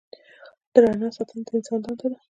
د رڼا ساتنه د انسان دنده ده.